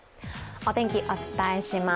お天気、お伝えします。